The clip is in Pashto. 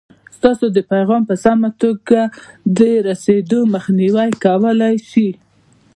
ستاسې د پیغام په سمه توګه د رسېدو مخنیوی کولای شي.